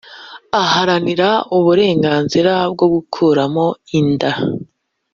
aharanire uburenganzira bwo gukuramo inda